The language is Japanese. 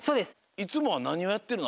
いつもはなにをやってるの？